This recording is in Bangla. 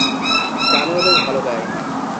গানও বেশ ভালো গায়!